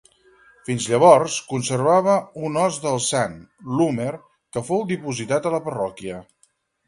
Fins llavors, conservava un os del sant, l'húmer, que fou dipositat a la parròquia.